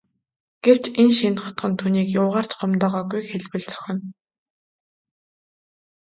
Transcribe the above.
Гэвч энэ шинэ хотхон түүнийг юугаар ч гомдоогоогүйг хэлбэл зохино.